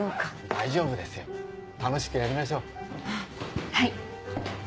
大丈夫ですよ楽しくやりましょう。